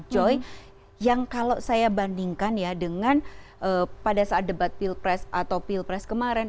joy yang kalau saya bandingkan ya dengan pada saat debat pilpres atau pilpres kemarin